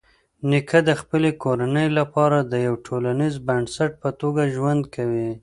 نیکه د خپلې کورنۍ لپاره د یوه ټولنیز بنسټ په توګه ژوند کوي.